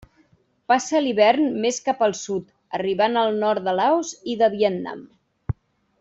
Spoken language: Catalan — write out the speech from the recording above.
Passa l'hivern més cap al sud, arribant al nord de Laos i de Vietnam.